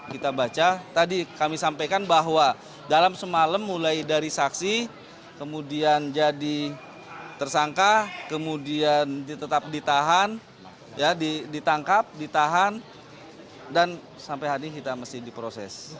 kita baca tadi kami sampaikan bahwa dalam semalam mulai dari saksi kemudian jadi tersangka kemudian tetap ditahan ditangkap ditahan dan sampai hari ini kita masih diproses